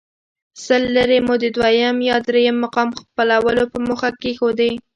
سل لیرې مو د دویم یا درېیم مقام خپلولو په موخه کېښودې.